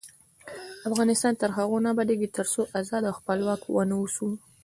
افغانستان تر هغو نه ابادیږي، ترڅو ازاد او خپلواک ونه اوسو.